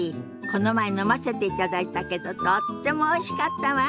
この前飲ませていただいたけどとってもおいしかったわ。